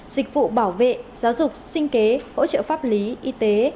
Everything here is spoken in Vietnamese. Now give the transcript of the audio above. dịch vụ bảo vệ giáo dục sinh kế hỗ trợ pháp lý y tế